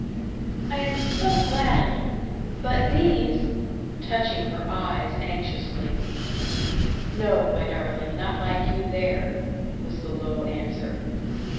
"I am so glad. But these" touching her eyes anxiously. "No my darling. Not like you there," was the low answer.